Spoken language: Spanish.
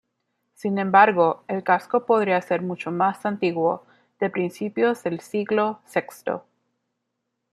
Sin embargo, el casco podría ser mucho más antiguo, de principios del siglo sexto.